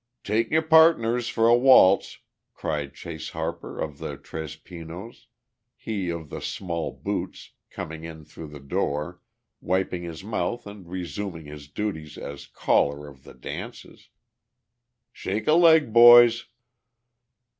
"Take your pardners for a waltz!" cried Chase Harper of the Tres Pinos, he of the small boots, coming in through the door, wiping his mouth and resuming his duties as "caller" of the dances. "Shake a leg, boys!"